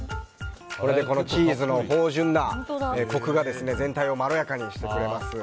チーズの芳醇なコクが全体をまろやかにしてくれます。